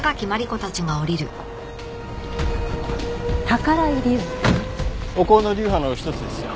宝居流？お香の流派の一つですよ。